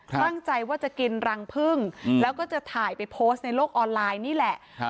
ตั้งใจว่าจะกินรังพึ่งแล้วก็จะถ่ายไปโพสต์ในโลกออนไลน์นี่แหละ